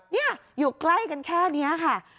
นี่อยู่ใกล้กันแค่นี้ค่ะ